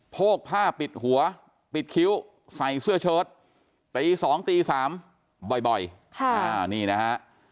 โพกผ้าปิดหัวปิดคิ้วใส่เสื้อเชิดตี๒ตี๓บ่อยนี่นะฮะ